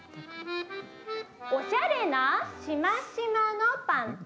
おしゃれなしましまのパンツ。